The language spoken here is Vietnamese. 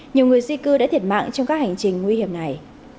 nhiều người di cư đã thiệt mạng trong các hành trình nguy hiểm này